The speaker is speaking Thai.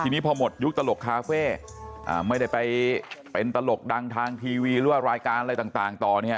ทีนี้พอหมดยุคตลกคาเฟ่ไม่ได้ไปเป็นตลกดังทางทีวีหรือว่ารายการอะไรต่างต่อเนี่ย